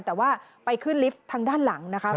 แต่ว่าไปขึ้นลิฟต์ทางด้านหลังนะคะ